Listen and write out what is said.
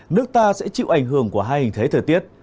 nước ta sẽ chịu ảnh hưởng của hai hình thế thời tiết